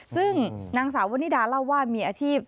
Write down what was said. ซึ่งนางสาววนิดาเล่าว่ามีอาชีพ